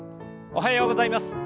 おはようございます。